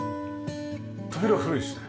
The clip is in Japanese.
扉古いですね。